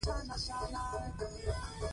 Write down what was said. د علم او پوهې په رڼا کې یې وساتو.